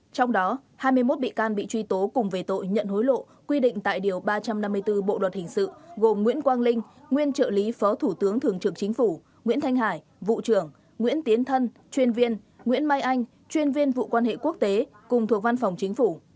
trong đó hai mươi một bị can bị truy tố cùng về tội nhận hối lộ quy định tại điều ba trăm năm mươi bốn bộ luật hình sự gồm nguyễn quang linh nguyên trợ lý phó thủ tướng thường trực chính phủ nguyễn thanh hải vụ trưởng nguyễn tiến thân chuyên viên nguyễn mai anh chuyên viên vụ quan hệ quốc tế cùng thuộc văn phòng chính phủ